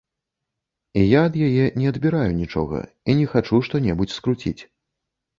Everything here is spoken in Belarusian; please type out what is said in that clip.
І я ад яе не адбіраю нічога і не хачу што-небудзь скруціць.